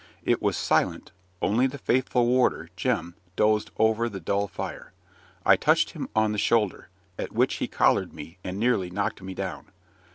It was silent, only the faithful warder, Jem, dozed over the dull fire. I touched him on the shoulder at which he collared me and nearly knocked me down.